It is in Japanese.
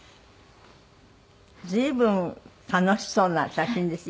随分楽しそうな写真です。